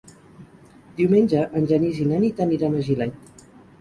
Diumenge en Genís i na Nit aniran a Gilet.